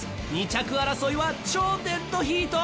２着争いは超デッドヒート！